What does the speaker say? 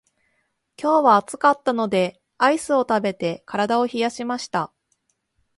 今日は暑かったのでアイスを食べて体を冷やしました。